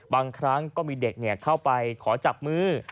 บางครั้งก็มีเด็กเข้าไปขอจับมือ